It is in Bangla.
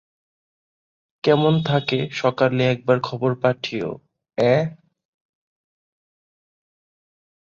কেমন থাকে সকালে একবার খবর পাঠিও, অ্যাঁ।